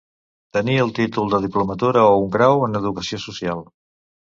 Tenir el títol de diplomatura o grau en educació social.